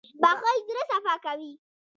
• بښل زړه صفا کوي.